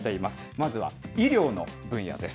まずは医療の分野です。